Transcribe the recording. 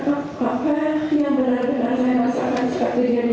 apakah yang benar benar saya merasakan strategian ini